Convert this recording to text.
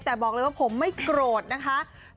แต่บอกเลยว่าผมไม่โกรธนะคะ